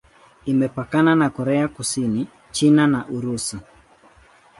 Imepakana na Korea Kusini, China na Urusi.